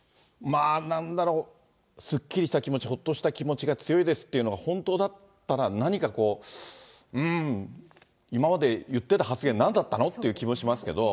すっきりした気持ち、ほっとした気持ちが強いですっていうのが本当だったら、何かこう、今まで言ってた発言、なんだったのって気もしますけど。